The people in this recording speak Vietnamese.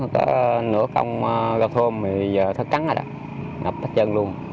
có nửa công gà thôn thì giờ thật cắn rồi đó ngập tất chân luôn